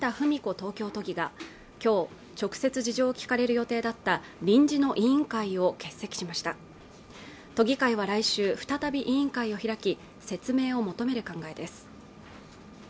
東京都議が今日、直接事情を聴かれる予定だった臨時の委員会を欠席しました都議会は来週再び委員会を開き説明を求める考えです